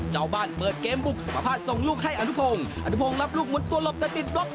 เจ้าบ้านเปิดเกมบุกประพาทส่งลูกให้อนุพงศ์อนุพงศ์รับลูกหมดตัวหลบแต่ติดบล็อก